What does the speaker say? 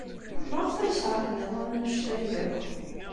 Maɣef ay keṛhen iḍan anect-a akk?